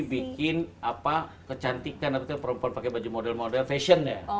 bikin apa kecantikan atau perempuan pakai baju model model fashion ya